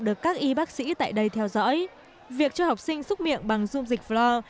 được các y bác sĩ tại đây theo dõi việc cho học sinh xúc miệng bằng dung dịch floor